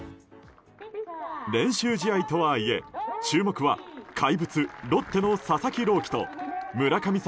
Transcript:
練習試合とはいえ注目は怪物ロッテの佐々木朗希と村神様